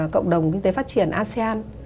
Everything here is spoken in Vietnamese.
cộng đồng kinh tế phát triển asean